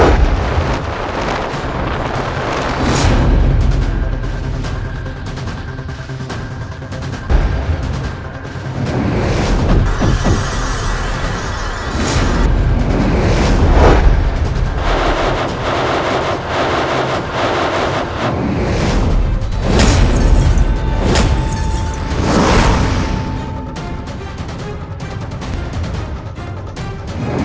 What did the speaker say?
tidak ada jurit